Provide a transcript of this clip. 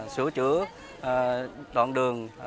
sửa chữa đoạn đường